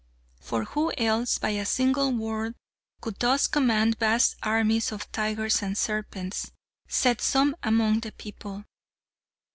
For who else by a single word could thus command vast armies of tigers and serpents, said some among the people.